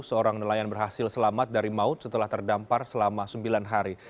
seorang nelayan berhasil selamat dari maut setelah terdampar selama sembilan hari